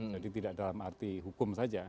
jadi tidak dalam arti hukum saja